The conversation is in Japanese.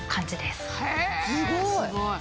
すごーい！